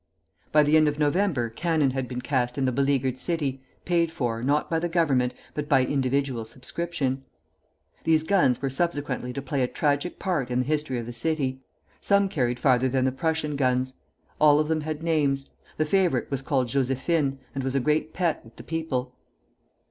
By the end of November cannon had been cast in the beleaguered city, paid for, not by the Government, but by individual subscription. These guns were subsequently to playa tragic part in the history of the city. Some carried farther than the Prussian guns. All of them had names. The favorite was called Josephine, and was a great pet with the people.